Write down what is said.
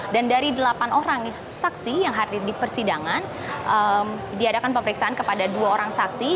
dan dari delapan orang saksi yang hadir di persidangan diadakan pemeriksaan kepada dua orang saksi